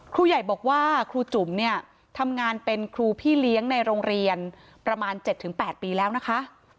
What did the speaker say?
ครูใหญ่บอกว่าครูจุ๋มเนี่ยทำงานเป็นครูพี่เลี้ยงในโรงเรียนประมาณ๗๘ปีแล้วนะคะ